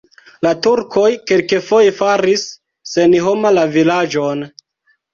La turkoj kelkfoje faris senhoma la vilaĝon.